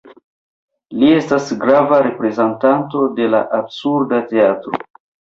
Li estas grava reprezentanto de la Absurda Teatro.